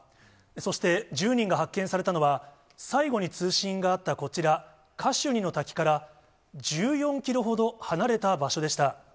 そして、１０人が発見されたのは、最後に通信があったこちら、カシュニの滝から、１４キロほど離れた場所でした。